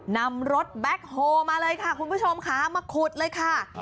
นำรถแบ็คโฮมาเลยค่ะคุณผู้ชมค่ะมาขุดเลยค่ะ